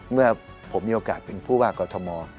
เมื่อผมมีโอกาสเป็นผู้ว่ากอทม